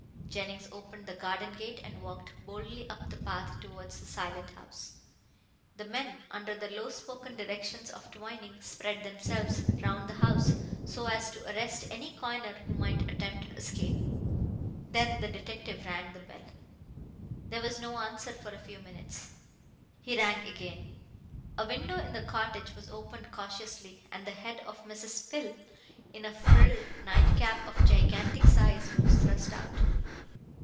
Jennings opened the garden gate and walked boldly up the path towards the silent house. The men, under the low spoken directions of Twining, spread themselves round the house so as to arrest any coiner who might attempt escape. Then the detective rang the bell. There was no answer for a few minutes. He rang again. A window in the cottage was opened cautiously, and the head of Mrs. Pill, in a frilled nightcap of gigantic size, was thrust out.